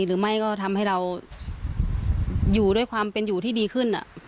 หรือไม่ก็ทำให้เราอยู่ด้วยความเป็นอยู่ที่ดีขึ้น